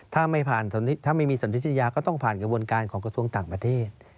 ถ้าไม่ผ่านถ้าไม่มีสนทิชยาก็ต้องผ่านกระบวนการของกระทรวงต่างประเทศ